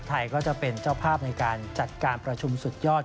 ไทยก็จะเป็นเจ้าภาพในการจัดการประชุมสุดยอด